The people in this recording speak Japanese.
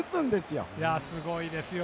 すごいんですよ。